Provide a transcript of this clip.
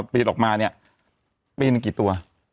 ปีนออกมาเนี่ยปีหนึ่งกี่ตัว